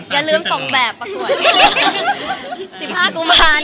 อย่าลืมสองแบบประกวด